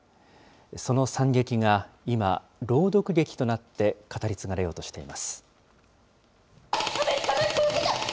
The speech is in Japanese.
その惨劇が今、朗読劇となって語り継がれようとしています。